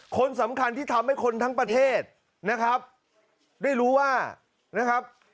คนสำคัญที่ทำให้คนทั้งประเทศนะครับได้รู้ว่านะครับ